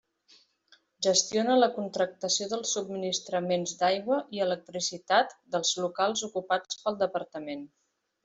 Gestiona la contractació dels subministraments d'aigua i electricitat dels locals ocupats pel Departament.